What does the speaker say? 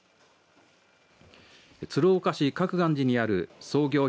鶴岡市覚岸寺にある創業